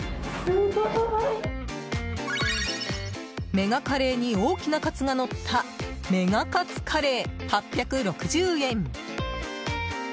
メガカレーに大きなカツがのったメガカツカレー、８６０円。